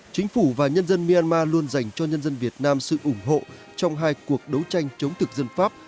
chính phủ và nhân dân myanmar luôn dành cho nhân dân việt nam sự ủng hộ trong hai cuộc đấu tranh chống thực dân pháp